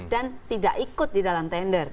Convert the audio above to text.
tidak ikut di dalam tender